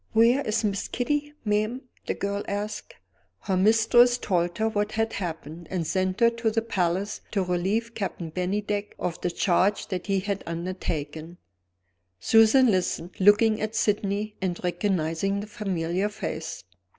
"Where is Miss Kitty, ma'am?" the girl asked. Her mistress told her what had happened, and sent her to the Palace to relieve Captain Bennydeck of the charge that he had undertaken. Susan listened, looking at Sydney and recognizing the familiar face.